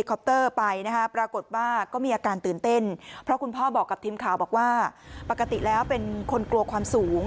ลิคอปเตอร์ไปนะคะปรากฏว่าก็มีอาการตื่นเต้นเพราะคุณพ่อบอกกับทีมข่าวบอกว่าปกติแล้วเป็นคนกลัวความสูง